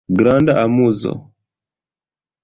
Granda amuzo.